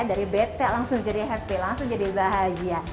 dari bete langsung jadi happy langsung jadi bahagia